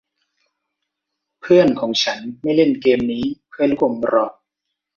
เพื่อนของฉันไม่เล่นเกมนี้เพื่อลูกอมหรอก